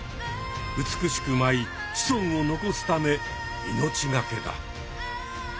美しく舞い子孫を残すため命がけだ。